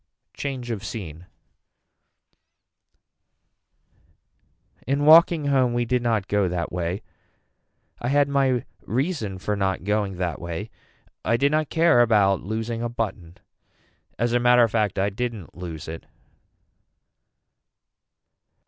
Change of scene. In walking home we did not go that way. I had my reason for not going that way. I did not care about losing a button. As a matter of fact I didn't lose it.